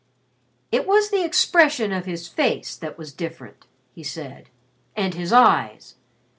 "It was the expression of his face that was different," he said. "And his eyes.